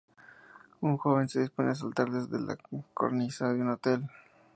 Un joven se dispone a saltar desde la cornisa de un hotel.